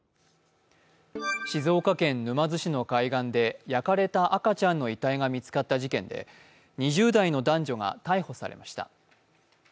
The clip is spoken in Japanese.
静岡県沼津市の海岸で焼かれた赤ちゃんの遺体が見つかった事件で２０代の男女が逮捕されました。